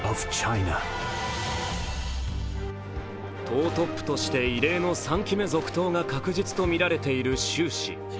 党トップとして異例の３期目続投が確実とみられている習氏。